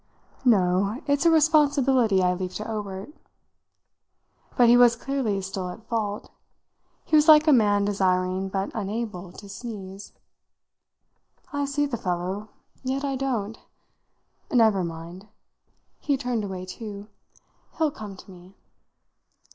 "No, it's a responsibility I leave to Obert." But he was clearly still at fault; he was like a man desiring, but unable, to sneeze. "I see the fellow yet I don't. Never mind." He turned away too. "He'll come to me."